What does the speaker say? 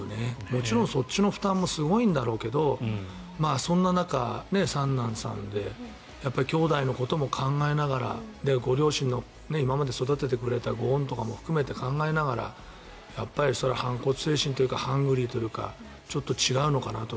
もちろんそっちの負担もすごいんだろうけどそんな中、三男さんできょうだいのことも考えながらご両親の今まで育ててくれた御恩とかも含めて考えながら反骨精神というかハングリーというかちょっと違うのかなと。